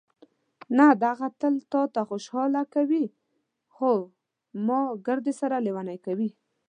نه، دغه تل تا خوشحاله کوي، خو ما ګردسره لېونۍ کوي.